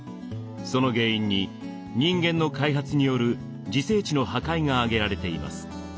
その原因に人間の開発による自生地の破壊が挙げられています。